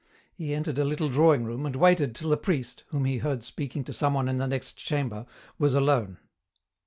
He entered a little drawing room, and waited till the priest, whom he heard speaking to someone in the next chamber, was alone.